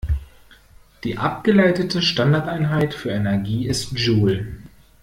Die abgeleitete Standardeinheit für Energie ist Joule.